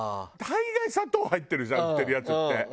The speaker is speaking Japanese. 大概砂糖入ってるじゃん売ってるやつって。